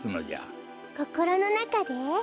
こころのなかで？